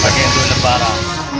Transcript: iya pakai untuk lebaran